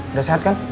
udah sehat kan